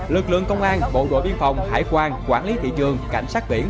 lực lượng công an bộ đội biên phòng hải quan quản lý thị trường cảnh sát biển